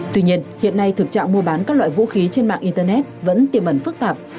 tuy nhiên hiện nay thực trạng mua bán các loại vũ khí trên mạng internet vẫn tiềm ẩn phức tạp